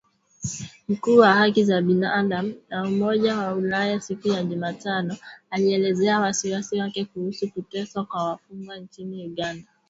Mkuu wa haki za binadamu wa Umoja wa Ulaya siku ya Jumatano alielezea wasiwasi wake kuhusu kuteswa kwa wafungwa nchini Uganda